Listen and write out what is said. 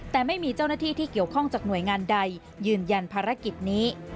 แต่ไม่มีเจ้าหน้าที่ที่เกี่ยวข้องจากหน่วยงานใดยืนยันภารกิจนี้